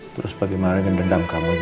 terus bagaimana ingin dendam kamu juga